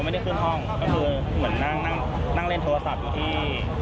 เดี๋ยวก็คงจะต้องไปผ่าชนะสูตร